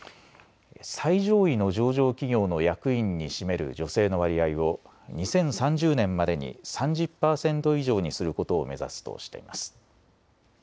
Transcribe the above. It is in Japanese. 最上位の上場企業の役員に占める女性の割合を２０３０年までに３０％以上にすることを目指すとしています。